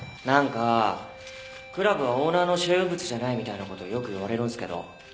何かクラブはオーナーの所有物じゃないみたいなことよく言われるんすけど